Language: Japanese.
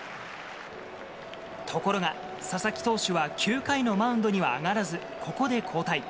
ところが、佐々木投手は９回のマウンドには上がらず、ここで交代。